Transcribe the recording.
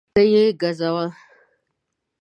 ته یې ګزوه